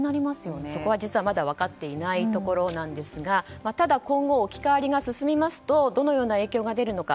そこは実は分かっていないところなんですがただ今後置き換わりが進みますとどのような影響が出るのか。